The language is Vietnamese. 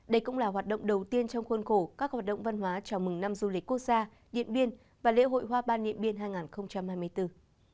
đây cũng là hoạt động đầu tiên trong khuôn khổ các hoạt động văn hóa chào mừng năm du lịch quốc gia điện biên và lễ hội hoa ban điện biên hai nghìn hai mươi bốn